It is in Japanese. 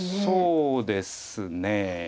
そうですね。